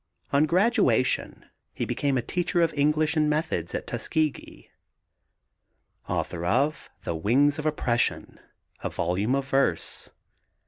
On graduation he became a teacher of English and methods at Tuskegee. Author of the Wings of Oppression, a volume of verse.